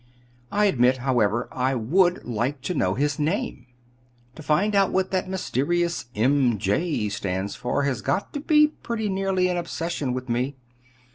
"I admit, however, I would like to know his name. To find out what that mysterious 'M. J.' stands for has got to be pretty nearly an obsession with me.